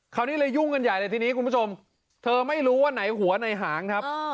คราวนี้เลยยุ่งกันใหญ่เลยทีนี้คุณผู้ชมเธอไม่รู้ว่าไหนหัวไหนหางครับ